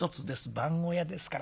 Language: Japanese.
番小屋ですから。